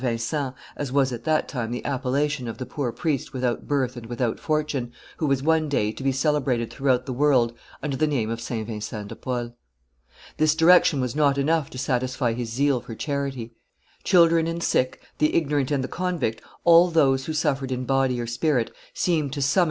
Vincent, as was at that time the appellation of the poor priest without birth and without fortune, who was one day to be celebrated throughout the world under the name of St. Vincent de Paul. This direction was not enough to satisfy his zeal for charity; children and sick, the ignorant and the convict, all those who suffered in body or spirit, seemed to summon M.